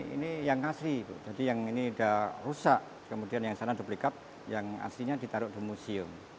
ini yang asli jadi yang ini sudah rusak kemudian yang sana duplikap yang aslinya ditaruh di museum